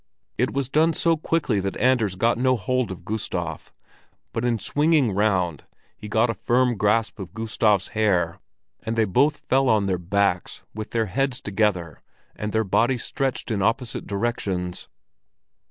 It was done so quickly that Anders got no hold of Gustav; but in swinging round he got a firm grasp of Gustav's hair, and they both fell on their backs with their heads together and their bodies stretched in opposite directions.